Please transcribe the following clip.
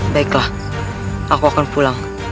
baiklah aku akan pulang